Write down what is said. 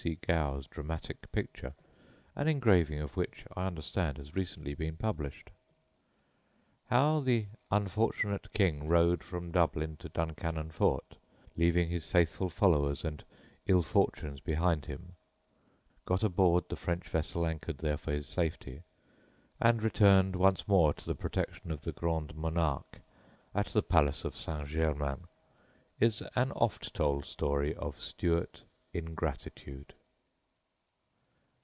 C. Gow's dramatic picture, an engraving of which I understand has recently been published. How the unfortunate King rode from Dublin to Duncannon Fort, leaving his faithful followers and ill fortunes behind him; got aboard the French vessel anchored there for his safety; and returned once more to the protection of the Grande Monarque at the palace of St. Germain, is an oft told story of Stuart ingratitude.